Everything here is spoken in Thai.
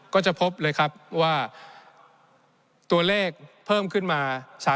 ก็จะพบเลยครับว่าตัวเลขเพิ่มขึ้นมา